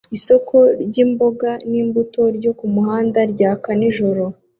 Isoko ry'imboga n'imbuto ryo kumuhanda ryaka nijoro